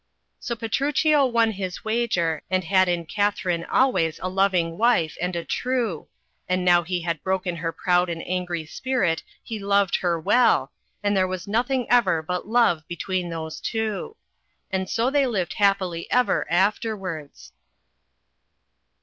So Petruchio won his wager, and had in Katharine always a lov ing wife and a true, and now he had broken her proud and angry spirit he loved her well, and there was nothmg ever but love between those two. And so they lived happy ever afterwards.